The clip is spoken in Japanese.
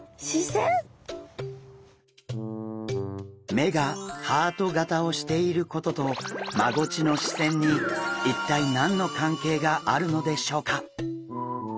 目がハート型をしていることとマゴチの視線に一体何の関係があるのでしょうか？